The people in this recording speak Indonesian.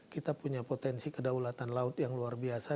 kita punya potensi kedaulatan laut yang luar biasa